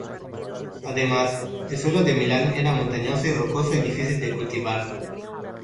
Además, el suelo de Milán era montañoso y rocoso y difícil de cultivar.